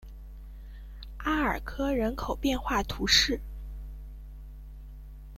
阿尔科人口变化图示